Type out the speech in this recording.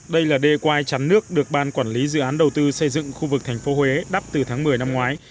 đây là đê quai chắn nước được ban quản lý dự án đầu tư xây dựng khu vực tp huế đắp từ tháng một mươi năm ngoái